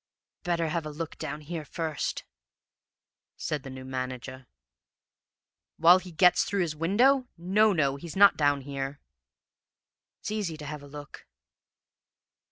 "'Better have a look down here, first,' said the new manager. "'While he gets through his window? No, no, he's not down here.' "'It's easy to have a look.'